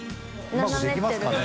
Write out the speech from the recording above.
うまくできますかね？